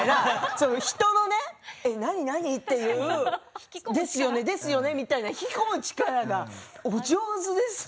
人の何何？っていう、ですよねという引き込む力がお上手ですね。